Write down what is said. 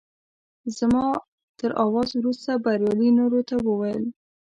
زما تر اواز وروسته بریالي نورو ته وویل.